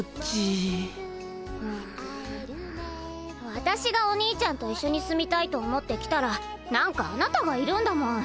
わたしがお兄ちゃんと一緒に住みたいと思ってきたら何かあなたがいるんだもん。